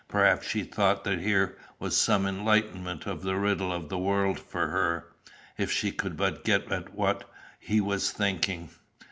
Perhaps she thought that here was some enlightenment of the riddle of the world for her, if she could but get at what he was thinking.